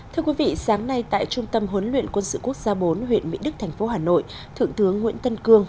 thưa quý vị sáng nay tại trung tâm huấn luyện quân sự quốc gia bốn huyện mỹ đức thành phố hà nội thượng tướng nguyễn tân cương